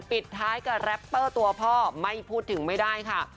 ปิดท้ายกับแรปเปอร์ตัวพ่อไม่พูดถึงไม่ได้ค่ะ